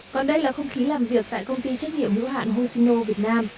còn đây là không khí làm việc tại công ty trách nhiệm lưu hạn hoshino việt nam